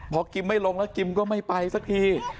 พอกิมไม่ลงแล้วกิมก็ไม่ไปสักที